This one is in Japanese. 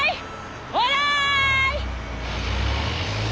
オーライ！